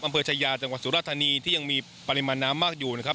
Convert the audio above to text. ชายาจังหวัดสุรธานีที่ยังมีปริมาณน้ำมากอยู่นะครับ